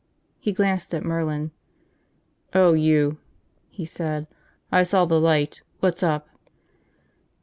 He glanced at Merlin. "Oh, you," he said. "I saw the light. What's up?"